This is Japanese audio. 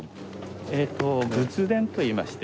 えっと仏殿といいまして。